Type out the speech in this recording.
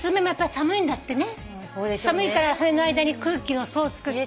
寒いから羽の間に空気の層をつくって。